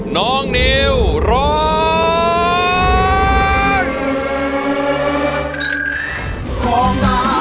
น้องนิวร้อง